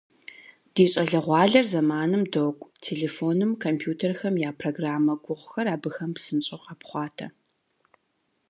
Ди щӏалэгъуалэр зэманым докӏу - телефоным, компьютерхэм я программэ гугъухэр абыхэм псынщӏэу къапхъуатэ.